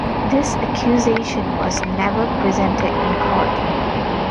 This accusation was never presented in court.